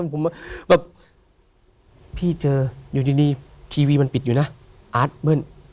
ผมว่าพี่เจออยู่ดีทีวีมันปิดอยู่นะอาร์ตเบิ้ล